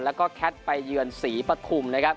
แล้วก็แค๊ตไปเยือนศรีปธุม